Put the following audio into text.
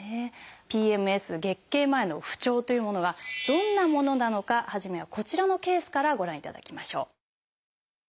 ＰＭＳ月経前の不調というものがどんなものなのか初めはこちらのケースからご覧いただきましょう。